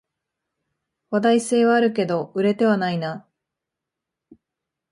話題性はあるけど売れてはないな